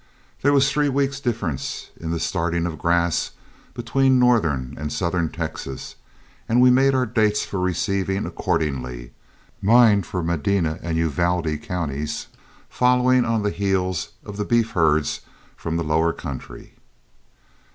There was three weeks' difference in the starting of grass between northern and southern Texas, and we made our dates for receiving accordingly, mine for Medina and Uvalde counties following on the heels of the beef herds from the lower country.